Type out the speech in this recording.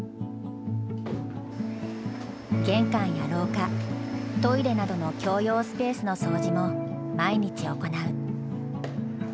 玄関や廊下トイレなどの共用スペースの掃除も毎日行う。